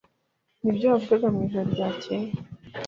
Nibyo wavugaga mwijoro ryakeye?